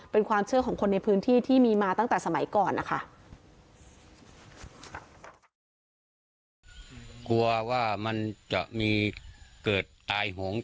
เป็นความเชื่อของคนในพื้นที่ที่มีมาตั้งแต่สมัยก่อนนะคะ